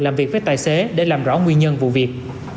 làm việc với tài xế để làm rõ nguyên nhân vụ việc